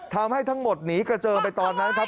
ทั้งหมดหนีกระเจิงไปตอนนั้นครับ